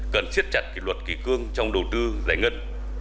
cần siết chặt kỷ luật kỳ cương trong đầu tư giải ngân